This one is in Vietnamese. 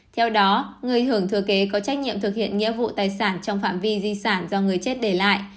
theo đó người hưởng thừa kế có trách nhiệm thực hiện nghĩa vụ tài sản trong phạm vi di sản do người chết để lại